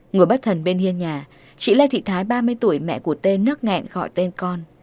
người bất thần bên hiên nhà chị lê thị thái ba mươi tuổi mẹ của tê nức ngẹn gọi tên con